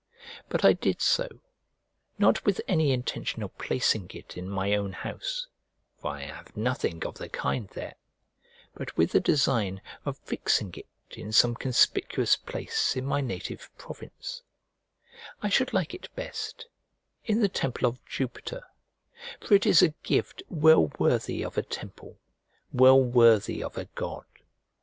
But I did so, not with any intention of placing it in my own house (for I have nothing of the kind there), but with a design of fixing it in some conspicuous place in my native province; I should like it best in the temple of Jupiter, for it is a gift well worthy of a temple, well worthy of a god.